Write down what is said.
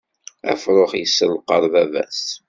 Afrux yisselqaḍ baba-s.